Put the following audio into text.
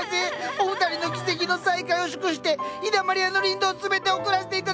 お二人の奇跡の再会を祝して陽だまり屋のリンドウ全て贈らせて頂きます！